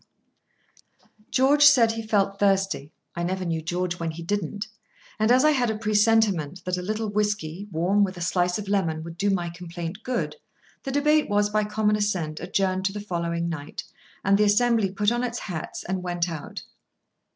[Picture: Whisky glass] George said he felt thirsty (I never knew George when he didn't); and, as I had a presentiment that a little whisky, warm, with a slice of lemon, would do my complaint good, the debate was, by common assent, adjourned to the following night; and the assembly put on its hats and went out.